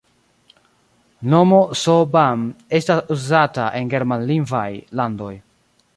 Nomo S-Bahn estas uzata en germanlingvaj landoj.